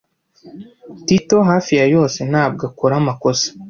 Tito hafi ya yose ntabwo akora amakosa.